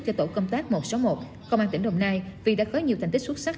cho tổ công tác một trăm sáu mươi một công an tỉnh đồng nai vì đã có nhiều thành tích xuất sắc